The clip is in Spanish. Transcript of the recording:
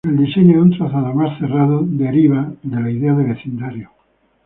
El diseño de un trazado más cerrado derriba de la idea de vecindario.